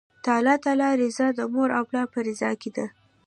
د الله تعالی رضا، د مور او پلار په رضا کی ده